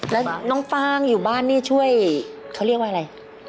แล้วน้องฟางอยู่บ้านนี่ช่วยเขาเรียกว่าอะไร